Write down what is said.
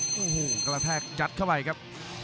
โอ้โหกระแทกยัดเข้าไปครับ